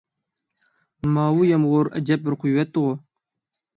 ماۋۇ يامغۇر ئەجەب بىر قۇيۇۋەتتىغۇ!